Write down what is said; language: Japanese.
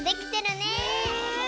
ねえ！